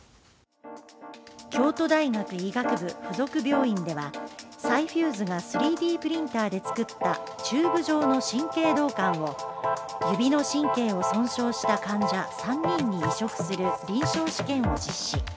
京都大学医学部附属病院ではサイフューズが３Ｄプリンターで作ったチューブ状の神経導管を指の神経を損傷した患者３人に移植する臨床試験を実施。